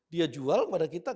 dia jual pada kita